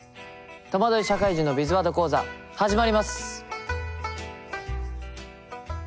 「とまどい社会人のビズワード講座」始まります。